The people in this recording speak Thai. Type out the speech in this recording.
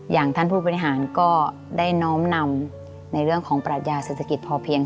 อย่างท่านผู้บริหารก็ได้น้อมนำในเรื่องของปรัชญาเศรษฐกิจพอเพียง